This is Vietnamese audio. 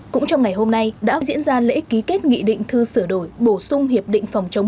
cũng trong ngày hôm nay đã diễn ra lễ ký kết nghị định thư sửa đổi bổ sung hiệp định phòng chống